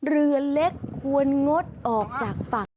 เรือเล็กควรงดออกจากฝั่ง